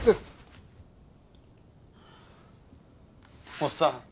おっさん？